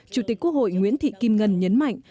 chủ tịch quốc hội nguyễn thị kim ngân nhấn mạnh